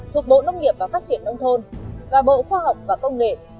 thuộc bộ nông nghiệp và phát triển nông thôn và bộ khoa học và công nghệ